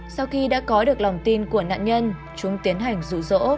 sau khi đã có được lòng tin của nạn nhân chúng tiến hành rủ rỗ